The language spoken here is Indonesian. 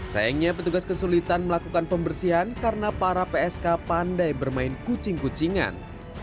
sayangnya petugas kesulitan melakukan pembersihan karena para psk pandai bermain kucing kucingan